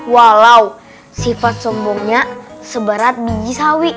walau sifat sombongnya sebarat biji sawi